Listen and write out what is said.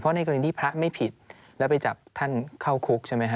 ในกรณีที่พระไม่ผิดแล้วไปจับท่านเข้าคุกใช่ไหมฮะ